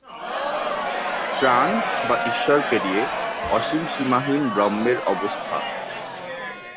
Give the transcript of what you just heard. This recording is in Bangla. প্রাণ বা ঈশ্বর পেরিয়ে অসীম সীমাহীন ব্রহ্মের অবস্থা।